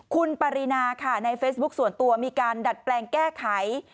คุณปรินาค่ะในเฟซบุ๊คส่วนตัวมีการดัดแปลงแก้ไข